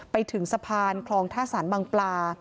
ไปถึงสะพานคลองท่าสารบังปลา